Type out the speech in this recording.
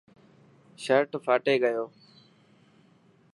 شرٽ ڦاٽي گيو.